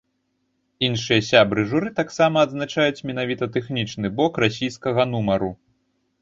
Іншыя сябры журы таксама адзначаюць менавіта тэхнічны бок расійскага нумару.